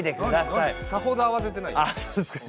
さほどあわててないよ。